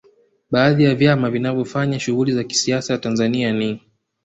Baadhi ya vyama vinavyofanya shughuli za kisiasa Tanzania ni